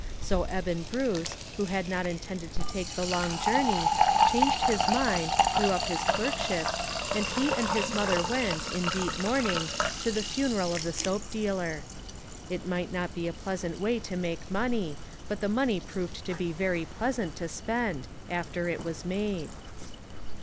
So Eben Bruce, who had not intended to take the long journey, changed his mind, threw up his clerkship, and he and his mother went, in deep mourning, to the funeral of the soap dealer. It might not be a pleasant way to make money, but the money proved to be very pleasant to spend, after it was made.